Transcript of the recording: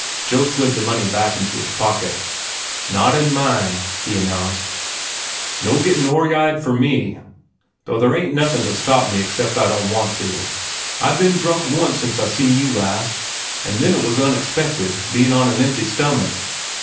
Joe slid the money back into his pocket. "Not in mine," he announced. "No gettin' oryide for me, though there ain't nothin' to stop me except I don't want to. I've ben drunk once since I seen you last, an' then it was unexpected, bein' on an empty stomach.